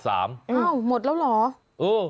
อ้าวหมดแล้วเหรอ